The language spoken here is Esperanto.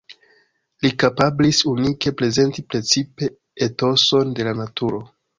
Li kapablis unike prezenti precipe etoson de la naturo.